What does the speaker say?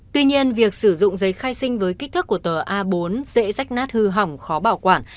tuy nhiên việc sử dụng giấy khai sinh với kích thước của tờ a bốn dễ rách nát hư hỏng khó bảo quản